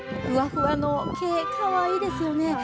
ふわふわの毛、かわいいですよね。